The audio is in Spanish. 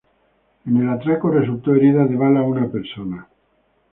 En el atraco resultó herida de bala una persona.